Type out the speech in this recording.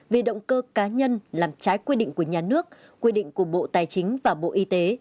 vì động cơ cá nhân làm trái quy định của nhà nước quy định của bộ tài chính và bộ y tế